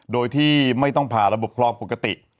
โดยที่ไม่ต้องผ่าระบบคลองปกติ